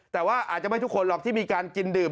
แต่ว่าอาจจะไม่ทุกคนหรอกที่มีการกินดื่ม